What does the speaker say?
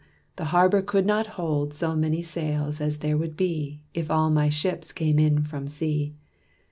the harbor could not hold So many sails as there would be If all my ships came in from sea.